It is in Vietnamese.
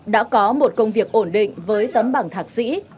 đã có một công việc ổn định với tấm bằng thạc sĩ